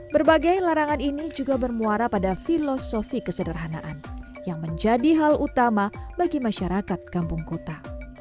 berbagai larangan ini juga bermuara pada filosofi kesederhanaan yang menjadi hal utama bagi masyarakat kampung kuta